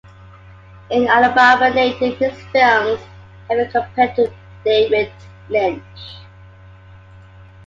An Alabama native, his films have been compared to David Lynch.